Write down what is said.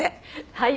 はい。